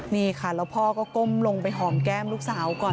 นี่ค่ะแล้วพ่อก็ก้มลงไปหอมแก้มลูกสาวก่อน